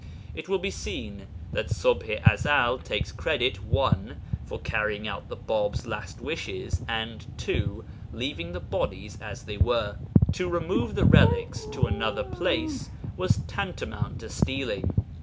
It will be seen that Ṣubḥ i Ezel takes credit (1) for carrying out the Bāb's last wishes, and (2) leaving the bodies as they were. To remove the relics to another place was tantamount to stealing.